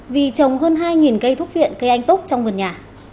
vì trồng hơn hai cây thuốc viện cây anh túc trong vườn nhà